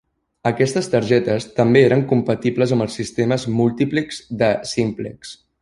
Aquestes targetes també eren compatibles amb els sistemes multiplex de Simplex.